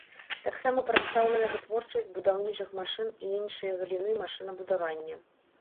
Таксама прадстаўлена вытворчасць будаўнічых машын і іншыя галіны машынабудавання.